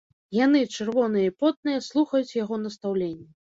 Яны, чырвоныя і потныя, слухаюць яго настаўленні.